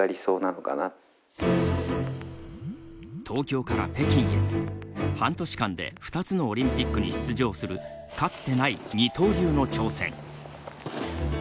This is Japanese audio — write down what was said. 東京から北京へ、半年間で２つのオリンピックに出場するかつてない「二刀流」の挑戦。